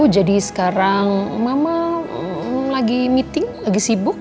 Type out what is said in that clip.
jadi sekarang mama lagi meeting lagi sibuk